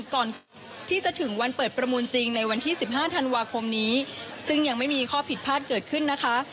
ก่อนที่จะถึงวันเปิดประมูลจริงในวันที่๑๕ธันวาคมนี้ซึ่งยังไม่มีข้อผิดพลาดเกิดขึ้นนะคะ